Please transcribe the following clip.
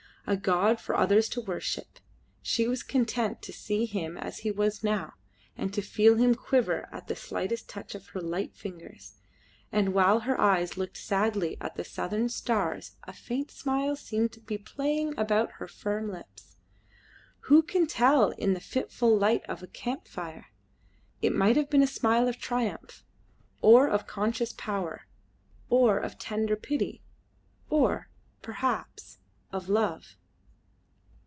A god for others to worship. She was content to see him as he was now, and to feel him quiver at the slightest touch of her light fingers. And while her eyes looked sadly at the southern stars a faint smile seemed to be playing about her firm lips. Who can tell in the fitful light of a camp fire? It might have been a smile of triumph, or of conscious power, or of tender pity, or, perhaps, of love.